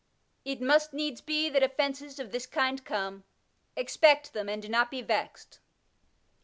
It must needs be that offences of this kind come ; expect them, and do not be vexed.